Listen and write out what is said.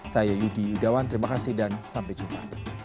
saya yudi yudawan terima kasih dan sampai jumpa